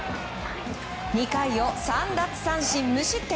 ２回を３奪三振無失点。